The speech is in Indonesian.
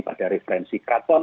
pada referensi keraton